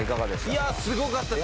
いやすごかった。